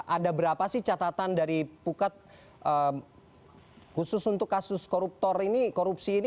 ada berapa sih catatan dari pukat khusus untuk kasus koruptor ini korupsi ini